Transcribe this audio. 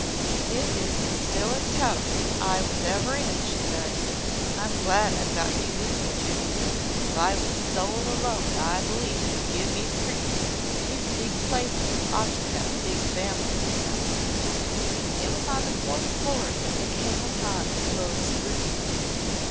"It is the stillest house I was ever in," she said. "I'm glad I've got you with me, Judy. If I was sole alone I believe it 'ud give me the creeps. These big places ought to have big families in them." It was on the fourth floor that they came upon the Closed Room.